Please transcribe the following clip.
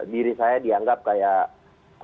diri saya dianggap kayak